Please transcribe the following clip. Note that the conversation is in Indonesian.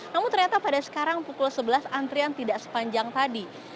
namun ternyata pada sekarang pukul sebelas antrian tidak sepanjang tadi